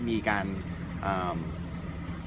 เหมือนการแค้นน้อย